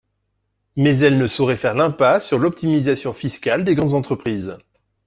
Mais elle ne saurait faire l’impasse sur l’optimisation fiscale des grandes entreprises.